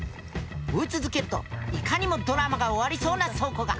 追い続けるといかにもドラマが終わりそうな倉庫が。